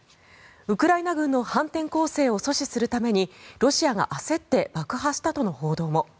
ウクライナ軍の反転攻勢を阻止するためにロシアが焦って爆破したとの報道も。